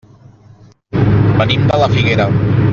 Venim de la Figuera.